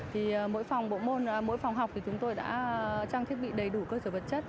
thì mỗi phòng bộ môn mỗi phòng học thì chúng tôi đã trang thiết bị đầy đủ cơ sở vật chất